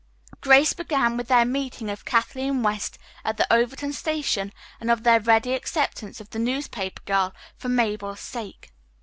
Grace began with their meeting of Kathleen West at the Overton station and of their ready acceptance of the newspaper girl for Mabel's sake.